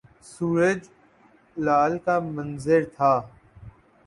سورج ل کا منظر تھا